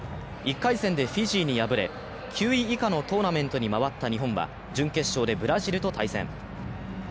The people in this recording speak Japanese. １回戦でフィジーに敗れ、９位以下のトーナメントに回った日本は準決勝でブラジルと対戦。